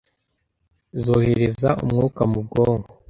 zohereza umwuka mu bwonko